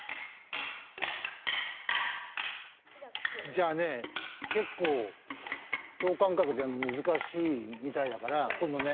じゃあね結構等間隔でやるの難しいみたいだから今度ね